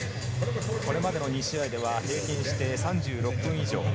これまでの２試合では平均して３６分以上。